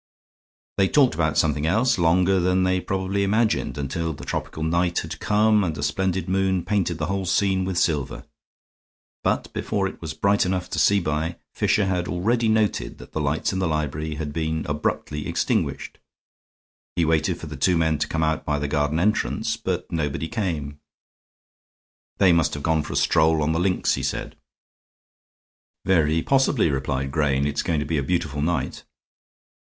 They talked about something else longer than they probably imagined, until the tropical night had come and a splendid moon painted the whole scene with silver; but before it was bright enough to see by Fisher had already noted that the lights in the library had been abruptly extinguished. He waited for the two men to come out by the garden entrance, but nobody came. "They must have gone for a stroll on the links," he said. "Very possibly," replied Grayne. "It's going to be a beautiful night."